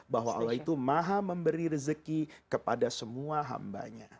bahwa allah itu maha memberi rezeki kepada semua hambanya